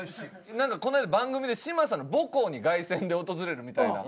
何かこの間番組で嶋佐の母校に凱旋で訪れるみたいな。